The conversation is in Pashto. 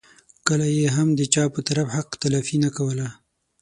کله یې هم د چا په طرف حق تلفي نه کوله.